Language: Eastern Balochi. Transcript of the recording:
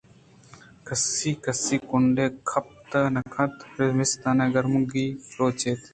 کسّ کسّی کنڈ ءَ گِپت نہ کنت زِمستان گرماگی روچے اَت